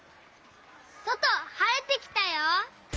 そとはれてきたよ。